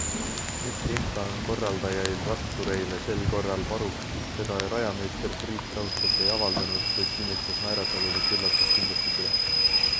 Mis vimka on korraldajail rattureile sel korral varuks, seda rajameister Priit Raudsepp ei avaldanud, kuid kinnitas naeratades, et üllatus kindlasti tuleb.